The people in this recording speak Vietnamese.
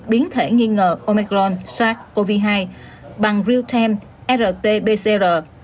biến thể nghi ngờ omicron sars cov hai bằng real time rt pcr